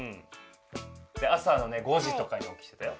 で朝のね５時とかにおきてたよ。